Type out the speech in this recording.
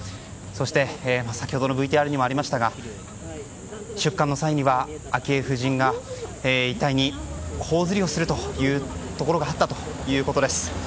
そして、先ほどのＶＴＲにもありましたが出棺の際には昭恵夫人が遺体に頬ずりをするということがあったということです。